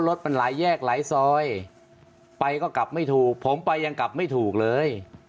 รถมันหลายแยกหลายซอยไปก็กลับไม่ถูกผมไปยังกลับไม่ถูกเลย